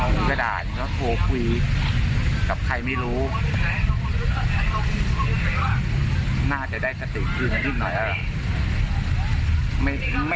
ไม่ได้บอกขอขับเดี๋ยว